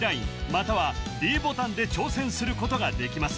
ＬＩＮＥまたはｄボタンで挑戦することができます